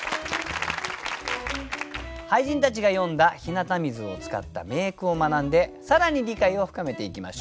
俳人たちが詠んだ「日向水」を使った名句を学んで更に理解を深めていきましょう。